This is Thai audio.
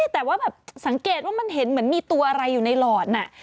แต่ว่าแบบสังเกตว่ามันเห็นเหมือนมีตัวอะไรอยู่ในหลอดน่ะ